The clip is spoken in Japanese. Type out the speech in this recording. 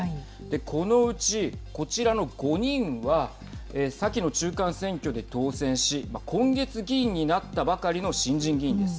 このうち、こちらの５人は先の中間選挙で当選し今月、議員になったばかりの新人議員です。